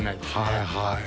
はいはい